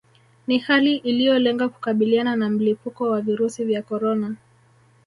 Ni hali iliolenga kukabiliana na mlipuko wa virusi vya corona